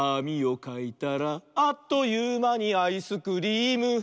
「あっというまにアイスクリーム！」